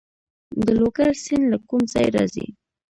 د لوګر سیند له کوم ځای راځي؟